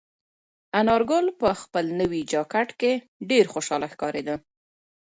انارګل په خپل نوي جاکټ کې ډېر خوشحاله ښکارېده.